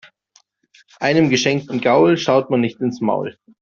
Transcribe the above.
Einem geschenkten Gaul schaut man nicht ins Maul.